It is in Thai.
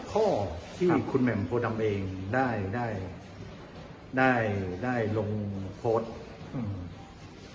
ข้อที่คุณแหม่มโพดำเองได้ได้ได้ได้ลงโพสต์อืม